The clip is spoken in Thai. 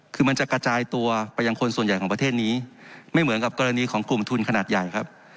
คือมันจะกระจายตัวไปยังคนส่วนใหญ่ของประเทศนี้ไม่เหมือนกับกรณีของกลุ่มทุนขนาดใหญ่ครับ